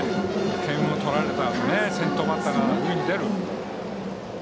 点を取られたあと先頭バッターが塁に出る。